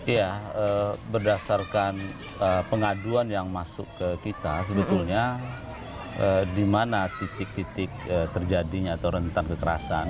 ya berdasarkan pengaduan yang masuk ke kita sebetulnya di mana titik titik terjadinya atau rentan kekerasan